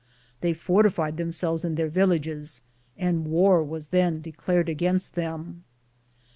They fortified themselves in their villages, and war was then declared against them.